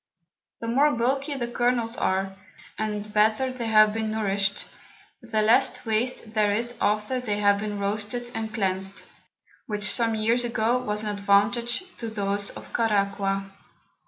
The more bulky the Kernels are, and better they have been nourished, the less Waste there is after they have been roasted and cleansed, which some Years ago was an Advantage to those of Caraqua.